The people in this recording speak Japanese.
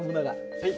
はい。